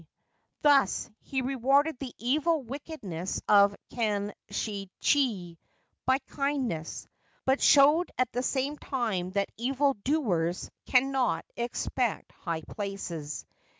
Thus he rewarded the evil wickedness of Kanshichi by kindness, but showed at the same time that evil doers cannot expect high places.